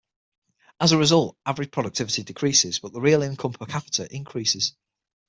As a result, average productivity decreases but the real income per capita increases.